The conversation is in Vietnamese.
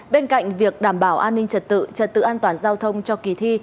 bên cạnh việc đảm bảo an ninh trật tự trật tự an toàn giao thông cho kỳ thi